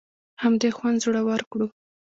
همدې خوند زړور کړو.